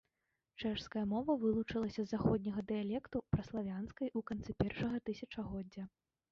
Чэшская мова вылучылася з заходняга дыялекту праславянскай у канцы першага тысячагоддзя.